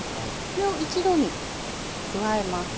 これを一度に加えます。